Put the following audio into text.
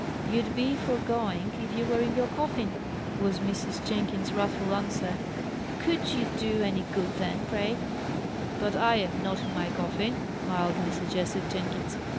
"You'd be for going, if you were in your coffin!" was Mrs. Jenkins's wrathful answer. "Could you do any good then, pray?" "But I am not in my coffin," mildly suggested Jenkins.